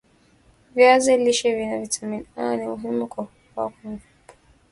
viazi lishe Vina vitamini A ni muhimu kwa kukua kwa mifupa